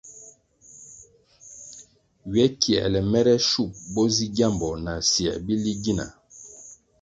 Ywe kiēle mere shup bo zi gyambo na syē bili gina?